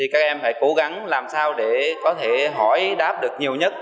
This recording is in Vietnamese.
các em hãy cố gắng làm sao để có thể hỏi đáp được nhiều nhất